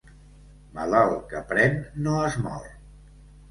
Malalt que pren no es mor.